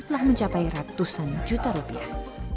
telah mencapai ratusan juta rupiah